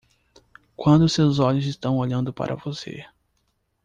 Quando seus olhos estão olhando para você